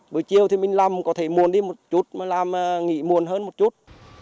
buổi chiều thì mình làm có thể muồn đi một chút làm nghỉ muồn hơn một chút